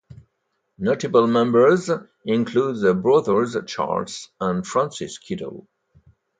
Notable members include the brothers Charles and Francis Kiddle.